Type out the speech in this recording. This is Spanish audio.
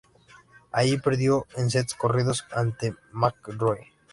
Allí perdió en sets corridos ante McEnroe.